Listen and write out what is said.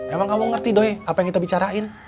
emang kamu ngerti doy apa yang kita bicarain